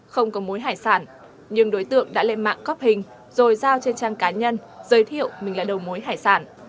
không có mối hải sản nhưng đối tượng đã lên mạng góp hình rồi giao trên trang cá nhân giới thiệu mình là đầu mối hải sản